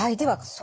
はい。